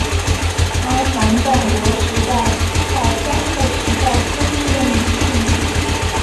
阿船战国时代到江户时代初期的女性。